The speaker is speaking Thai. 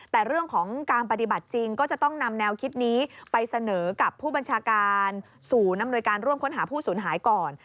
แต่เรื่องของการปฏิบัติจริงก็จะต้องนำแนวคิดนี้ไปเสนอกับผู้บัญชาการศูนย์อำนวยการร่วมค้นหาผู้สูญหายก่อน